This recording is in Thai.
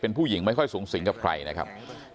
เป็นผู้หญิงไม่ค่อยสูงสิงกับใครนะครับ